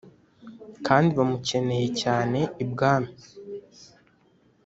kandi bamukeneye cyane ibwami.